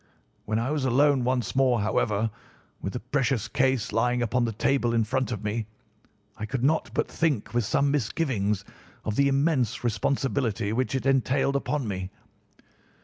When I was alone once more, however, with the precious case lying upon the table in front of me, I could not but think with some misgivings of the immense responsibility which it entailed upon me.